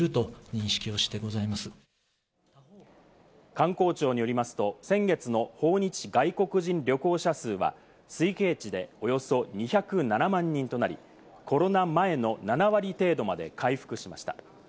観光庁によりますと、先月の訪日外国人旅行者数は推計値でおよそ２０７万人となり、コロナ前の７割程度まで回復しました。